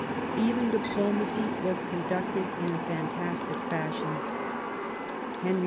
Even diplomacy was conducted in a fantastic fashion. Henry IV.